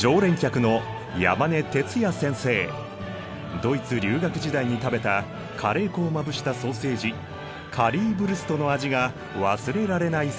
ドイツ留学時代に食べたカレー粉をまぶしたソーセージカリーヴルストの味が忘れられないそう。